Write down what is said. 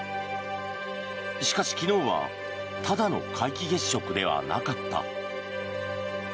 しかし、昨日はただの皆既月食ではなかった。